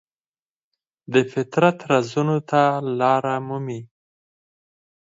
د فطرت رازونو ته لاره مومي.